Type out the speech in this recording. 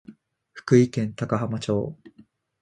福井県高浜町